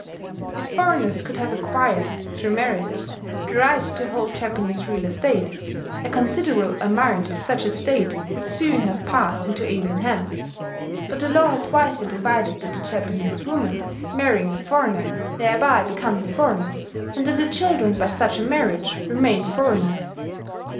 If foreigners could have acquired, through marriage, the right to hold Japanese real estate, a considerable amount of such estate would soon have passed into alien hands. But the law has wisely provided that the Japanese woman marrying a foreigner thereby becomes a foreigner, and that the children by such a marriage remain foreigners.